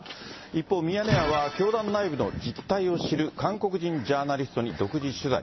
一方、ミヤネ屋は教団内部の実態を知る韓国人ジャーナリストに独自取材。